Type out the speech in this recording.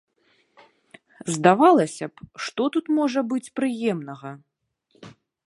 Здавалася б, што тут можа быць прыемнага?